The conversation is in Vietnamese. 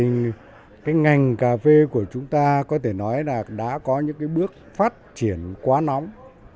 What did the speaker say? ngành cà phê của chúng ta có thể nói là đã có những bước phát triển quá nóng